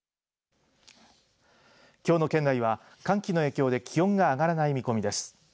きょうの県内は、寒気の影響で気温が上がらない見込みです。